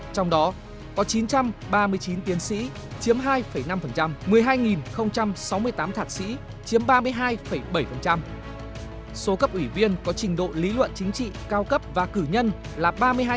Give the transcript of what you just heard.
trong đó số cấp ủy viên có trình độ lý luận chính trị cao cấp và cử nhân là ba mươi hai một trăm bảy mươi năm